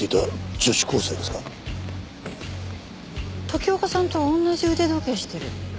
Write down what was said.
時岡さんと同じ腕時計してる。